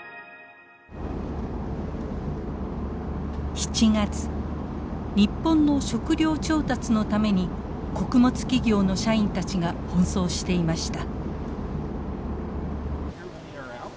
７月日本の食料調達のために穀物企業の社員たちが奔走していました。